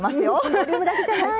ボリュームだけじゃない！